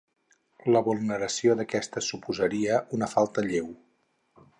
La vulneració d'aquestes suposaria una falta lleu.